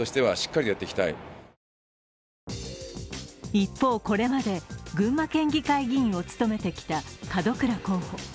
一方、これまで群馬県議会議員を務めてきた角倉候補。